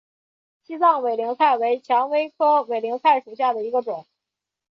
西藏委陵菜为蔷薇科委陵菜属下的一个种。